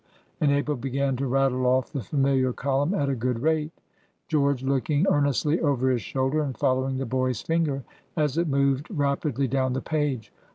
And Abel began to rattle off the familiar column at a good rate, George looking earnestly over his shoulder, and following the boy's finger as it moved rapidly down the page.